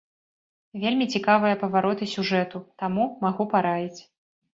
Вельмі цікавыя павароты сюжэту, таму, магу параіць.